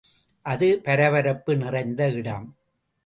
அது பரபரப்பு நிறைந்த இடம்.